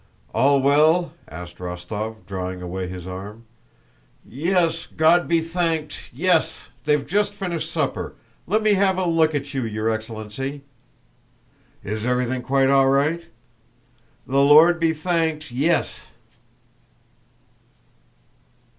"All well?" asked Rostóv, drawing away his arm. "Yes, God be thanked! Yes! They've just finished supper. Let me have a look at you, your excellency." "Is everything quite all right?" "The Lord be thanked, yes!"